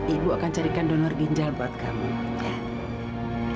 ibu akan carikan donor ginjal buat kamu